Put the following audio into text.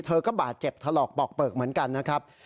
เธอก็บาดเจ็บถลอกปอกเปลือกเหมือนกันนะครับ